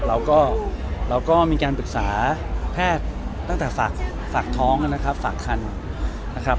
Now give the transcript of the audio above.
เราก็เราก็มีการปรึกษาแพทย์ตั้งแต่ฝากท้องนะครับฝากคันนะครับ